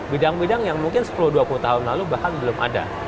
bidang bidang yang mungkin sepuluh dua puluh tahun lalu bahkan belum ada